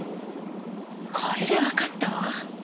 これでわかったわ。